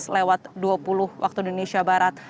lewat dua puluh waktu indonesia barat